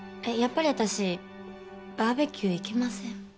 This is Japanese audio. やっぱり私バーベキュー行けません。